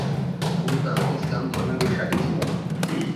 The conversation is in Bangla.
মুমতাজ ইসলাম ধর্মে বিশ্বাসী ছিলেন।